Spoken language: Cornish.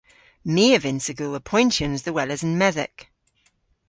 My a vynnsa gul apoyntyans dhe weles an medhek.